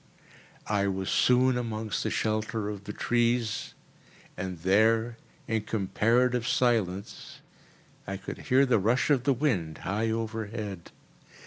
I was soon amongst the shelter of the trees, and there, in comparative silence, I could hear the rush of the wind high overhead.